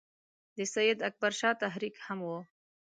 د سید اکبر شاه تحریک هم وو.